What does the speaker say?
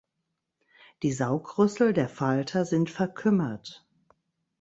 Die Saugrüssel der Falter sind verkümmert.